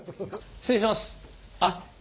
失礼いたします。